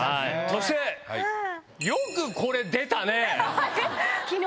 そしてよくこれ出たね！